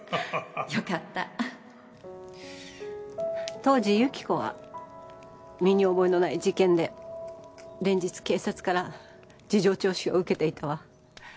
よかった当時由紀子は身に覚えのない事件で連日警察から事情聴取を受けていたわ。